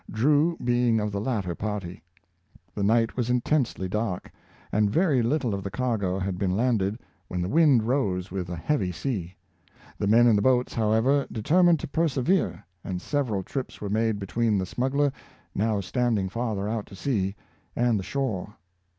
Drew be ing of the latter party. The night was intensely dark, and very little of the cargo had been landed, when the wind rose, with a heavy sea. The men in the boats, however, determined to persevere, and several trips were made between the smuggler, now standing farther out to sea, and the shore.